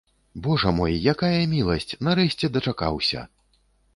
Божа мой, якая міласць, нарэшце дачакаўся!